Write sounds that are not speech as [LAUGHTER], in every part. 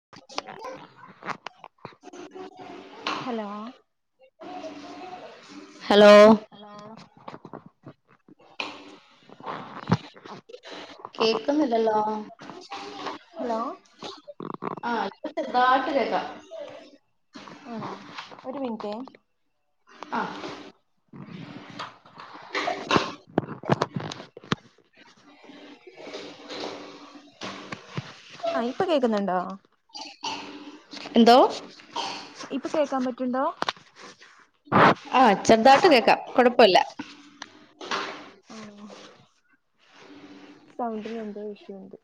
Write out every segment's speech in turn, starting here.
[INAUDIBLE] Hello hello hello [INAUDIBLE] കേക്കുന്നില്ലല്ലോ hello ആഹ് ചെറുതായിട്ട് കേൾക്കാം ആഹ് ഒരു മിനിറ്റ് ആഹ് [INAUDIBLE] ആഹ് ഇപ്പൊ കേക്കുന്നുണ്ടോ എന്തോ ഇപ്പൊ കേക്കാൻ പറ്റുണ്ടോ ആഹ് ചെറുതായിട്ട് കേൾക്കാം കൊഴപ്പില്ല ആഹ് സൗണ്ടിന് എന്തോ ഇഷ്യൂ ഉണ്ട്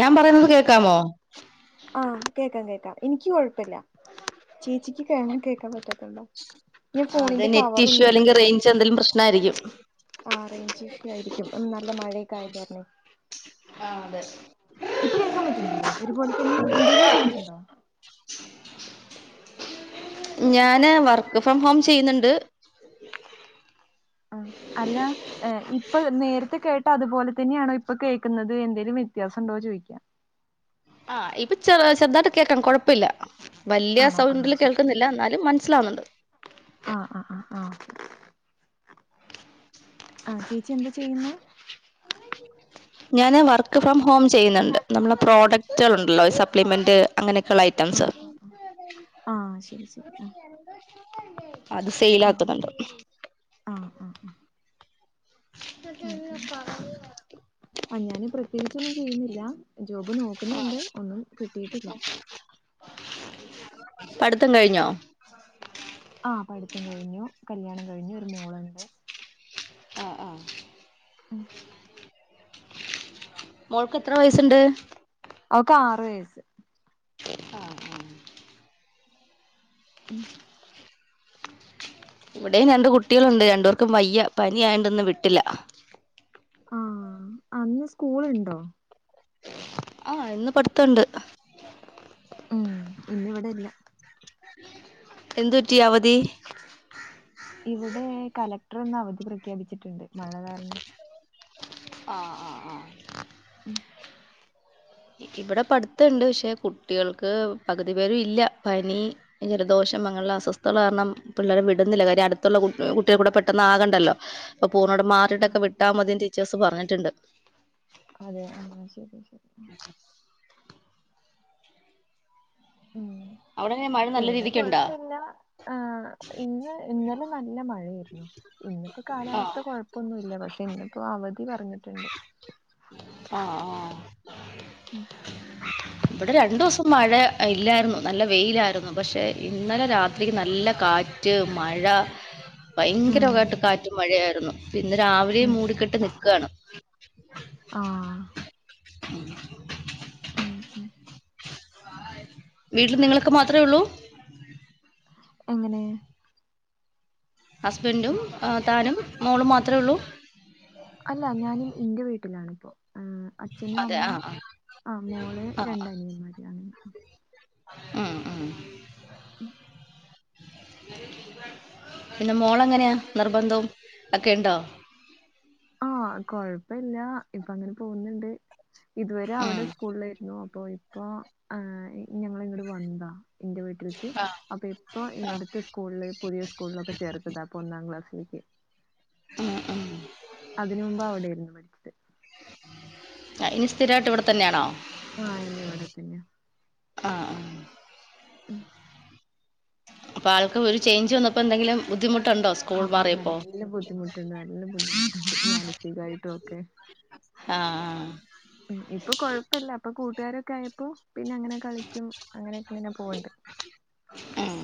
ഞാൻ പറയുന്നത് കേൾക്കാമോ ആഹ് കേക്കാ കേക്കാ എനിക്ക് കൊഴപ്പില്ല ചേച്ചിക്ക് കേൾക്കാൻ പറ്റാത്തണ്ടോ അത് നെറ്റിഷൂ അല്ലെങ്കിൽ റേഞ്ച് എന്തെങ്കിലും പ്രശ്ന ആയിരിക്കും ആഹ് റേഞ്ച് ഇഷ്യൂ ആയിരിക്കും നല്ല മഴയൊക്കെ [UNINTELLIGIBLE] ആഹ് അതെ ഇപ്പൊ കേൾക്കാൻ പറ്റുന്നണ്ടോ ഒരുപോലെ തന്നെ എന്തേലും ചെയ്ഞ്ച് ഉണ്ടോ ഞാൻ വർക്ക് ഫ്രം ഹോം ചെയ്യുന്നുണ്ട് ആഹ് അല്ല ഇപ്പ നേരത്തെ കേട്ട അതുപോലെ തന്നെയാണോ ഇപ്പൊ കേൾക്കുന്നത് എന്തേങ്കലും വ്യത്യാസം ഉണ്ടോന്ന് ചോദിക്കാ ആഹ് ഇപ്പൊ ചെറ ചെറതായിട്ട് കേൾക്കാ കുഴപ്പല്ല. വലിയ ആണോ സൗണ്ടില് ആഹ് കേൾക്കുന്നില്ല എന്നാലും മനസ്സിലാവുന്നുണ്ട്. ആഹ് ആഹ് ആഹ് ആഹ് ആഹ് ചേച്ചി എന്താ ചെയ്യുന്ന ഞാന് വർക്ക് ഫ്രം ഹോം ചെയ്യുന്നുണ്ട് നമ്മള പ്രോഡക്റ്റുകൾ ഉണ്ടല്ലോ സപ്ലിമെന്റ് അങ്ങനെയൊക്കെയുള്ള ഐറ്റംസ് ആഹ് ആഹ് ആഹ് ശരി ശരി ആഹ് അത് ആഹ് ഫെയിലാത്തുന്നുണ്ട് ആഹ് ആഹ് ഓക്കെ ഓക്കേ ആഹ് ഞാന് പ്രത്യേകിച്ചൊന്നും ചെയ്യുന്നില്ല ജോബ് നോക്കുന്നുണ്ട് ഒന്നും കിട്ടിയിട്ടില്ല. പഠിത്തം കഴിഞ്ഞോ ആഹ് പഠിത്തം കഴിഞ്ഞു കല്യാണം കഴിഞ്ഞു ഒരു മോളുണ്ട്. ആഹ് ആഹ് ഉം മോൾക്ക് എത്ര വയസ്സുണ്ട് അവക്ക ആറ് വയസ്സ്. ഉം ഇവിടയും രണ്ട് കുട്ടികളുണ്ട് രണ്ട് പേർക്കും വയ്യ പനി ആയെണ്ട്ന്ന് വിട്ടില്ല. ആഹ് അന്ന് സ്കൂളുണ്ടോ? ആഹ് ഇന്ന് പഠിത്തണ്ട്. ഉം ഇന്നിവിടെ ഇല്ല. എന്ത് പ‌റ്റി അവതി? ഇവിടെ കലക്ടർന്ന് അവധി പ്രഖ്യാപിച്ചിട്ടുണ്ട്. മഴ കാരണം. അ അ ആഹ് ഉം ഇവിടെ പഠിത്തണ്ട് ക്ഷെ കുട്ടികൾക്ക് പകുതി പേരും ഇല്ല പനി ഇലദോഷം അങ്ങനള്ള അസ്വസ്ഥത കാരണം പിള്ളേരെ വിടുന്നില്ല കാര്യ അടുത്തുള്ള കു കുട്ടിക കൂടെ പെട്ടെന്ന് ആകണ്ടല്ലോ. അപ്പ പൂർണോടെ മാറിട്ടക്കെ വിട്ടാ മതി ടീച്ചേഴ്സ് പറഞ്ഞിട്ടുണ്ട്. അതെ ആഹ് ശരി ശരി ഉം അവിടെങ്ങനെ മ ഇവിടെ കുഴപ്പല്ല ആഹ് ഇന്ന് ഇന്നലെ നല്ല മഴയായിരുന്നു. ഇന്നിപ്പോ ആഹ് കാലാവസ്ഥ കൊഴപ്പൊന്നുല്ല പക്ഷെ ഇന്നിപ്പോ അവധി പറഞ്ഞിട്ടുണ്ട്. അ ആഹ് ഉം ഇവിടെ രണ്ടുസം മഴ ഇല്ലായിരുന്നു നല്ല വെയിലായിരുന്നു പക്ഷേ ഇന്നലെ രാത്രി നല്ല കാറ്റ് മഴ [INAUDIBLE] ഭയങ്കര ഉം വായിട്ട് കാറ്റ് മഴയായിരുന്നു പിന്ന് രാവിലെയും ഉം മൂടിക്കെട്ട് നിക്കാണ്. ആഹ് [INAUDIBLE] ഉം ഉം വീട്ടില് നിങ്ങളൊക്കെ മാത്രേ ഉള്ളൂ? അങ്ങനെ ഹസ്ബൻഡും ഉം, താനും മോളും മാത്രള്ളൂ? അല്ല ഞാനും ഇന്റെ വീട്ടിലാണിപ്പോ ആഹ് അച്ഛന് അതെ അമ്മ ആ അ മോള് ആ, ആ ആ. രണ്ടനിയമ്മാര് ആണ്. ഉം ഉം ഉം പിന്നെ മോളെങ്ങനെയാ നിർബന്ധം ഒക്കെ ഉണ്ടോ ആഹ് കൊഴപ്പല്ല ഇപ്പ അങ്ങനെ പോന്നുണ്ട് ഇതുവരെ ഉം. അവിടെ സ്കൂളിലെരുന്നു ഇപ്പൊ ഞങ്ങള് ഇങ്ങട് വന്നതാ ന്റെ വീട്ടിൽക്ക് ആ, അപ്പൊ ഇപ്പൊ ഇവിടുത്തെസ് സ്കൂളില് പുതിയ സ്കൂളിലൊക്കെ ചേർത്തത അപ്പൊ ഒന്നാം ക്ലാസിലേക്ക് ഉം ഉം അതിന് മുമ്പ് അവിടായിരുന്നു പഠിച്ചത് ഇനി സ്ഥിരായിട്ട് ഇവിടെ തന്നെയാണോ ആഹ് ഇനി ഇവിടെത്തന്നാ ആഹ് ഉം പ്പ ആൾക്ക് ഒരു ചേയ്ഞ്ച് വന്നപ്പോ എന്തെങ്കിലും ബുദ്ധിമുട്ടുണ്ടോ സ് ആഹ് നല്ല ബുദ്ധിമുട്ട്ണ്ട് നല്ല ബുദ്ധിമുട്ട്ണ്ട് മാനസികായിട്ടൊക്കെ അ ആഹ് ഇപ്പൊ കൊഴപ്പല്ല അപ്പൊ കൂട്ടുകാരൊക്കായപ്പോ പിന്നെ അങ്ങനെ കളിക്കും അങ്ങനെയൊക്കെ അങ്ങനെക്കെങ്ങനെ പോവ്ണ്ട് ഉം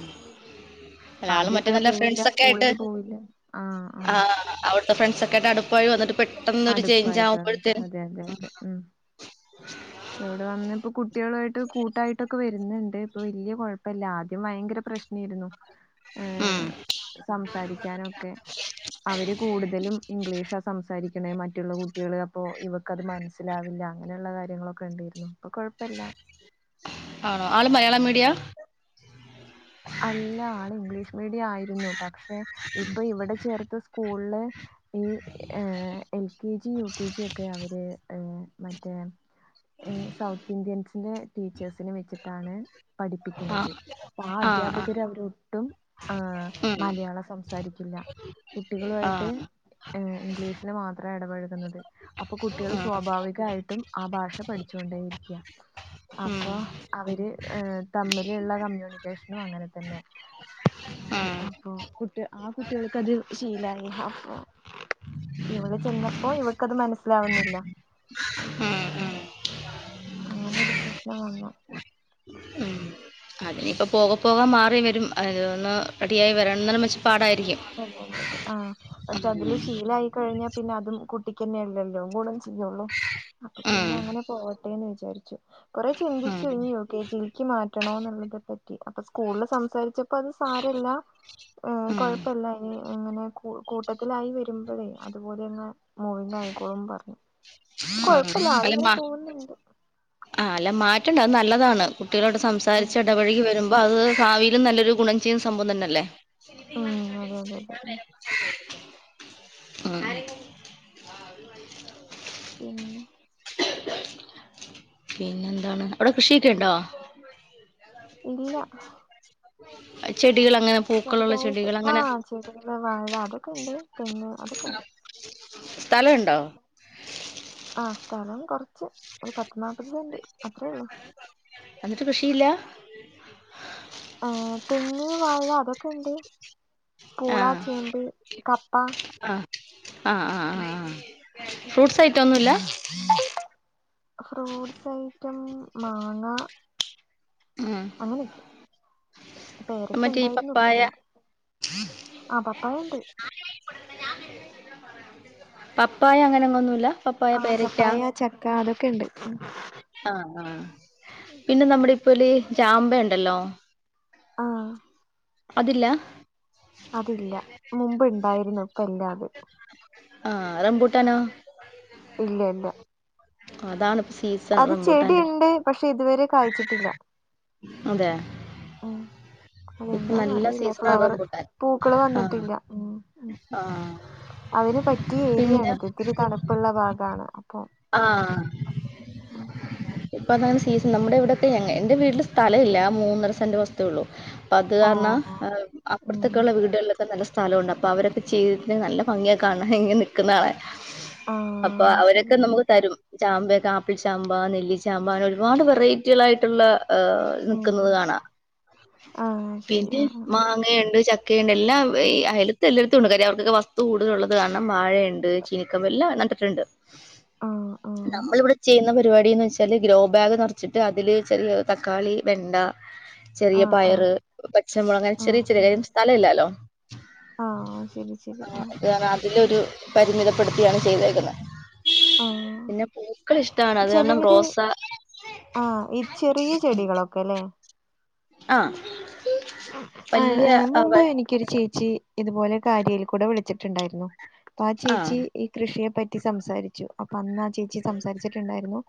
ആള് മറ്റേ ആദ്യൊക്കെ നല്ല പോവില്ല ഫ്രണ്ട്സക്കായിട്ട് സ്കൂളില് പോവില്ല ആഹ് അവ് വിടെ ഫ്രണ്ട്സക്കൊയിട്ട് അടുപ്പായി വന്നിട്ട് പെട്ടെന്ന് ഒരു ചേയ് ഞ്ച് അടുപ്പായിട്ട് വന്നിട്ട് ആവുമ്പോഴത്തിന് അതെ ഇ പ്പ ഇവിടെ വന്ന് ഇപ്പ കുട്ടികളായിട്ട് കൂട്ടായിട്ടൊക്കെ വരുന്നുണ്ട് ഇപ്പൊ വലിയ കുഴപ്പല്ല ആദ്യം ഭയങ്കര പ്രശ്നം രുന്നു ഏ ഉം. സംസാരിക്കാനൊക്കെ അവര് കൂടുതലും ഇംഗ്ലീഷാ സംസാരിക്കണെ മറ്റുള്ള കുട്ടിയാ ള് അപ്പോ ഇവ ഇക്ക അത് മനസ്സിലാവില്ല അങ്ങനെയുള്ള കാര്യങ്ങളൊക്കെ ഇ ണ്ടായിരുന്നു ഇപ്പൊ കുഴപ്പല്ല ആണോ ആള് മലയാളം മീഡിയ അല്ല ആള് ഇംഗ്ലീഷ് മീഡിയ ആയിരുന്നു പക്ഷെ ഇപ്പൊ ഇവിടെ ചേർത്ത് സ്കൂളില് ഈ L K G U K G ഒക്കെ അവര് മറ്റേ സൗത്ത് ഇന്ത്യൻസിന്റെ ടീച്ചേഴ്സിന്നെ വെച്ചിട്ടാണ് ആ പഠിപ്പിക്കുന്നത് അപ്പോ ആ അധ്യാപകര് അവരൊട്ടും ആ ഉം. മലയാളം സംസാരിക്കില്ല കുട്ടികളു ആ യിട്ട് ഇംഗ്ലീഷില് മാത്രേ എ ടപഴകുന്നത് അപ്പൊ കുട്ടികൾ ഉം. സ്വാഭാവികായിട്ടും ആ ഭാഷ പഠിച്ചുകൊണ്ടേരിക്കാ ഉം. ഉം. അപ്പൊ അവര് ഏർ തമ്മിലുള്ള കമ്മ്യൂണിക്കേഷനും അങ്ങനെ തന്നെ അ ഉം. അപ്പൊആ കുട്ടിയാൾക്ക അത് ശീലായി അപ്പൊ ഇവള് ചെന്നപ്പോ ഇവൾക്കത് മനസ്സിലാവുന്നില്ല ഉം അങ്ങനെരു പ്രശ്നം വന്നു ഇനിയിപ്പോ പോക പോകാൻ മാറി വരും അന്ന് റെഡിയ ആയി വരണം എന്നും മെച്ചപ്പാടായിരിക്കും അതെ അതെ അതെ ആ പക്ഷെ അതില് ശീലായി കഴിഞ്ഞാപിന്നെ അതും കുട്ടിക്കന്നെയല്ലല്ലോ ചെയ്യള്ളൂ അപ്പൊ ഉം. പിന്നെ അങ്ങനെ പോട്ടെന്ന് വിചാരിച്ചു കൊറെ ഉം. ചിന്തിച്ചു ഇ എൽ ജിൽ ക്ക്മാറ്റണോ എന്നുള്ളതൊക്കെ അപ്പൊ സ്കൂളിൽ സംസാരിച്ചപ്പോ അത് ഉം. സാരല്ലകൊഴ് അങ്ങനെ കൂട്ടത്തിലായി വരുമ്പഴേ അതുപോലെ ങ്ങെ മൂവിംഗ് ആയിക്കോളും പറഞ്ഞുഇപ്പൊ കൊഴപ്പല്ല ആള് ങ്ങനെ പോവു ന്നുണ്ട് ആ നല്ല മാറ്റണ്ട് അത് നല്ലതാണ് കുട്ടികളോട് ഉം സംസാരിച്ച് ഉം ഇടവഴി വരുമ്പോൾ അപ്പൊ അത് ഭാവിയിലും നല്ലൊരു ഗുണം ചെയ്യുന്ന സംഭവം തന്നെല്ലേ ഉം അതെ അതെ അതെ ഉം ഉം പിന്നെ പിന്നെന്താണ് അവിടെ കൃഷിയൊക്കെ ഇണ്ടോ ഇല്ല അത് ചെടികള് അങ്ങനെ ചെറുതായിട്ട് ചെടികൾ ആ അങ്ങനെ ചെടികൾ വാഴ അതൊക്കെണ്ട് തെങ്ങ് അതൊക്കെണ്ട്. സ്ഥലണ്ടോ. ആ സ്ഥലം കുറച്ച് ഒരു പത്ത് നാല്പ്പത് സെന്റ് അത്രയേ ഉള്ളൂ. എന്നിട്ട് കൃഷിയില്ല. ഏഹ. തെങ്ങ് വാഴ അതൊക്കെുണ്ട് പൂള ചേമ്പ് കപ്പ. ആ ആ ആ ആ ഫ്രൂട്ട്സ് ഐറ്റം ഒന്നുല്ല. ഫ്രൂട്ട്സ് ഐറ്റം മാങ്ങ. ഉം അങ്ങനെയൊക്കെ പേരൊക്ക മറ്റേ ഈ ഉണ്ടായിരുന്നു പപ്പായ ഇപ്പല്ല. ആ പപ്പായണ്ട്. പപ്പായ അങ്ങനന്നുമല്ല. ആഹ പപ്പായ ചക്ക അതൊക്കെണ്ട്. ആഹ ആഹ പിന്നെ നമ്മുടെ ഇപ്പോല് ചാമ്പ ഉണ്ടല്ലോ. ആഹ അതില്ല അതില്ല മുമ്പ് ഉണ്ടായിരുന്നു. ആഹ് റംബൂട്ടാനോ. ഇല്ല ഇല്ല. അതാണ്ഇപ്പ സീസൺ അത് റംബൂട്ടാന്റെ. ചെടിയുണ്ട് പക്ഷെ ഇതുവരെ കഴിച്ചിട്ടില്ല. അതെ ഉം ഇപ്പൊ നല്ല അതെന്താന്നറിയില്ല സീസണാ ഫ്ലവറ്. റംബൂട്ടാൻ പൂക്കള് ആഹ് വന്നിട്ടില്ല. ആഹ് അതിന് പറ്റിയ പിന്നെ ഏരിയാണിത് ഇത്തിരി തണ്പ്പ്‌ള്ള ഭാഗാണ് അപ്പൊ. ആ ഹ് [INAUDIBLE] ഇപ്പഎന്തായാലും സീസൺ നമ്മടെ ഇവടൊക്കെ ഞങ്ങേ എന്റെ വീട്ട്ല് സ്ഥലോവില്ല ആ മൂന്നരസെന്റ് വസ്തുവൊള്ളു. അപ്പത് കാരണഞങ്ങള് ഓഹ് അ- ഉം അപ്പർത്തോക്കെഉള്ള വീടുകളിലൊക്കെ ന്നല്ല സ്ഥലോണ്ട് അപ്പ അവരൊക്കെ ചെയ്തിരിക്കിന് നല്ല ഭംഗിയ കാണാൻ ഇങ്ങനെ നിക്കുന്നത് കാണാൻ. [INAUDIBLE] അപ്പ ശരി അവരൊക്കെ ന്നമുക്ക് തരും. ചാമ്പയൊക്കെ ആപ്പിൾചാമ്പ നെല്ലിച്ചാമ്പ അങ്ങനെ ഒരുപാട് വെറൈറ്റികളായിട്ടുള്ള ഏ ഉം ന്നിക്കുന്നത് കാണാ ആഹ് ശരി പിനെ ആഹ് മാങ്ങയുണ്ട് ചക് ക്കയിണ്ട് എല്ലാവ് ഈ അയലത്ത് എല്ലോര്ത്തുണ്ട് കാര്യം അവർക്കൊക്കെ വസ്തു കൂടുതലുള്ളത് കാരണം വാഴയ്ണ്ട്. ചിനിക്കമ്പ് എല്ലാന്നട്ട് ട്ട് ണ്ട്. ആഹ് ആഹ് ന്നമ്മള്വ്ടെ ചെയ്യുന്ന പരിപാടിന്ന് വെച്ച ചാല് ഗ്രോ ബാഗ് ന്നറച്ചിട്ട് അതില് ചെറിയ തക്കാളി വെണ്ട. ചെറിയ ആഹ് ആഹ് പയറ് പച്ചമുളക് അങ്ങനെ ചെറിയ ആഹ് ചെറിയ ആഹ് സ്ഥലം ഇല്ലാലോ. ആഹ് ശരി ശരി ആ ആഹ് ഇത്പറഞാ അതിലൊരു പരിമിതപ്പെടുത്തിയാണ് ചെയ്തേക്കുന്നെ. പിനെ ആഹ് പൂക്കളിഷ്ട്ടവാണ് അത് കാരണം റോസ ആ ഈ ച്ചെറിയ ചെടികളൊക്കെലെ ആ ത് വല്യാ സവ്- എക്കൊരു ചേച്ചി ഇതുപോലെ കാര്യേൽ കൂടെ വിളിച്ച് ട്ട്ണ്ടാ യ്രുന്നു അപ്പൊ ആ ചേച്ചി ആഹ് കൃഷിയെ പറ്റി സംസാരിച്ചു അപ്പ അന്നാ ചേച്ചി സംസാരിച്ചിട്ട് ണ്ടായിരുന്നു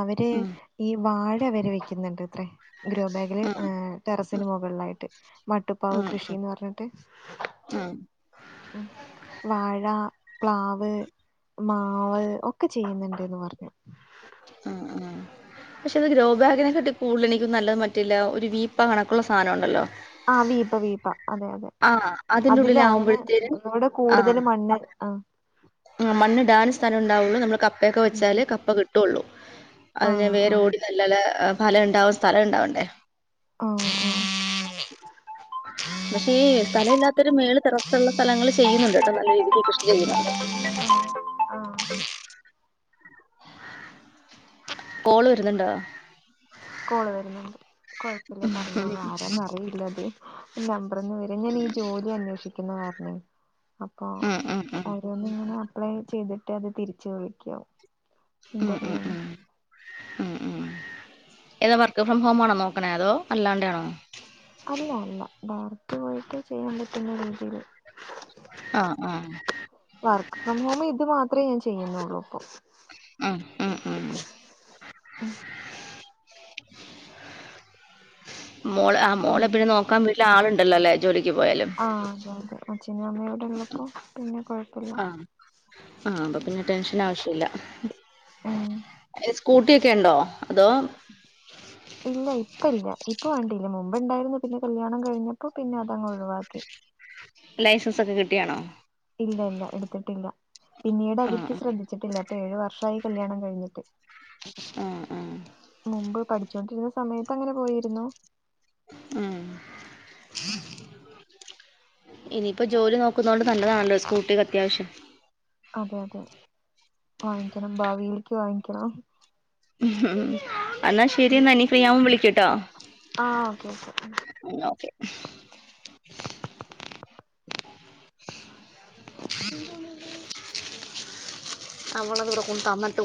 അവര്. ഉം ഈ വാഴ അവരെ വെക്ക്ന്ന് ണ്ട് ത്രേ ഗ്രോ ബാഗില് ഉം ഏ ട്ടറസിന് മുകളിലായിട്ട്. മട്ടുപ്പാവ് ഉം ഉം കൃഷിന്ന് പറഞ്ഞിട്ട്. ഉം വാഴാ പ്ലാവ്. മാവ് ഒക്കെ ചെയ്യുന്നുണ്ട്ന്ന് പറഞ്ഞു. അ അ പശെ അത് ഗ്രോ ബാഗിനെ കാട്ടി കൂടുതല് എനിക്കും നല്ലത് മറ്റ്ല്ല ഒരു വീപ്പാ കണക്കുള്ള സാനോം ഉണ്ടല്ലോ. ആഹ്. വീപ്പ വീപ്പ അതെ അതെ. ആഹ് അതിന്റെ അതില് അങ്ങനെ ഉള്ളിലാവുമ്പോഴത്തേനും ഒന്നുകൂടെ കൂടുതല് മണ്ണ് ആ. ആ മണ്ണ്ടാൻ സ്ഥലൊണ്ടാവൊള്ളൂ നമ്മള് കപ്പയൊക്കെ ഉം വെച്ചാൽ ഉം കപ്പ കിട്ടൊള്ളൂ. ആ ഹ് വേരോടി നല്ല ല ബലം ഇണ്ടാവ സ്ഥലം ഇണ്ടാവണ്ടേ. അ പക്ഷേ ഈ സ്ഥലൊഇല്ലാത്തൊരു മേള് ട്ടെറസ്സുള്ള സ്ഥലങ്ങള്ല് ചെയ്യുന്നുണ്ട് ട്ടോ ന്നല്ല രീതിക്ക് കൃഷി ചെയ്യുന്നുണ്ട്. ആ ആ കോള് വെരുന്നുണ്ടാ. കോള് വരുന്നുണ്ട് കൊഴപ്പില്ല ഉം പറഞ്ഞോളൂ ആരാന്നറിയില്ലത്. നമ്പർന്ന് വെരാ ഞനീ ജോലി അന്വേഷിക്കുന്ന കാര്നെ അപ്പൊ ഉം ഉം ഉം ഓരോന്ന്ങ്ങനെ അപ്ലൈ ചെയ്തിട്ട് അത് തിരിച്ച് വിളിക്കും. ഇന്റർവ്യൂന് അ അ ഏതാ വർക്ക് ഫ്രം ഹോം ആണോ ന്നോക്കണേ അതോ അല്ലാണ്ടെ യാണോ. അല്ല അല്ല ഡയറക്റ്റ് പോയിട്ട് ചെയ്യാൻ പറ്റുന്ന രീതിയില്. അ അ വർക്ക് ഫ്രം ഹോം ഇത് മാത്രെ ഞാൻ ചെയ്യുന്നൊള്ളൂ ഇപ്പൊ. അ ഹ് [UNINTELLIGIBLE] മോള് ആ മോളെ പിനെ പിന്നെ ന്നോക്കാൻ വീട്ട്ല് ആള്ണ്ടല്ലല്ലേ ജോലിക്ക് പോയാല്. ആ അതെ അതെ അഛനും അമ്മയും ഇവ്ടെ ഇള്ളപ്പോ പിനെ കൊഴ- ആ ആഹ അപ്പപിനെ ട്ടെൻഷനാ ആവശ്യല്ല. ഉം എ സ്കൂട്ട്യൊക്കെ ഇണ്ടോ അതോ. ഇല്ല ഇപ്പ ഇല്ല ഇപ്പൊ വണ്ടില്ല മുമ്പുണ്ടായിരുന്നു പിന്നെ കല്യാണം കഴിഞ്ഞപ്പോ പിന്നെ അതങ്ങ് ഒഴിവാക്കി ലൈസൻസ് ഒക്കെ കിട്ടിയാണോ ഇല്ല ഇല്ല എടുത്തിട്ടില്ല പിന്നീട് ആ അതില്ക്ക് ശ്രദ്ധിച്ചിട്ടില്ല ഏഴു വർഷായി കല്യാണം കഴിഞ്ഞിട്ട് ആഹ് മുമ്പ് പഠിച്ചുകൊണ്ടിരുന്ന സമയത്ത് അങ്ങനെ പോയിരുന്നു ഉം ഇനിയിപ്പോ ജോലി നോക്കുന്നോണ്ട് നല്ലതാണല്ലോ സ്കൂട്ടികെ അത്യാവശ്യം അതെ അതെ വാങ്ങിക്കണം ഭാവിയിലേക്ക് വാങ്ങിക്കണം എന്നാ ശരിന്നാ നീ ഫ്രീയാമ്പോ വിളിക്ക്ട്ടോ ആഹ് ഓക്കെ ക്കെ ഉം ഓക്കെ [UNINTELLIGIBLE] അവളതിവിടെ കൊണ്ട് തന്നിട്ടു